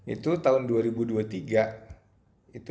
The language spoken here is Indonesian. itu tahun dua ribu dua puluh tiga menjadi dua per seratus ribu